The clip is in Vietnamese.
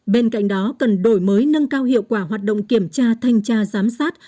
bên cạnh đó cần đổi mới nâng cao hiệu quả hoạt động kiểm tra thanh tra giám sát